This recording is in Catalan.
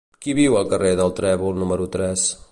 Qui viu al carrer del Trèvol número tres?